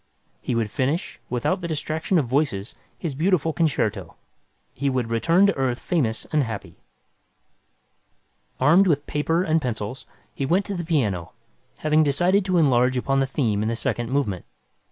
He would finish, without the distraction of voices, his beautiful concerto. He would return to Earth famous and happy. Armed with paper and pencils, he went to the piano, having decided to enlarge upon the theme in the second movement.